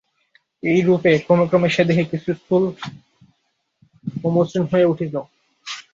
এইরূপে ক্রমে ক্রমে সে দেহে কিছু স্থূল ও মসৃণ হইয়া উঠিল।